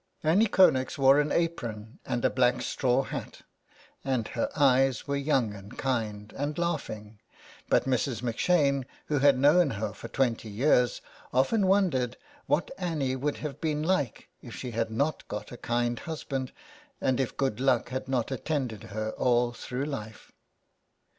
71 SOME PARISHIONERS. Annie Connex wore an apron, and a black straw hat ; and her eyes were young, and kind, and laughing, but Mrs. M 'Shane, who had known her for twenty years, often wondered what Annie would have been like if she had not got a kind husband, and if good luck had not attended her all through life.